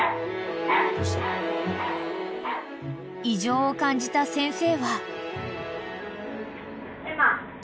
［異常を感じた先生は］